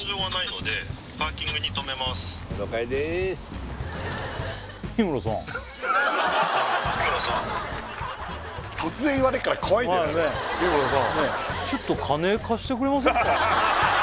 ねっちょっと金貸してくれませんか？